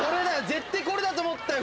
絶対これだと思ったよ。